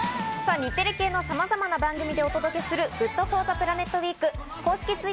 日テレ系のさまざまな番組でお届けするＧｏｏｄＦｏｒｔｈｅＰｌａｎｅｔ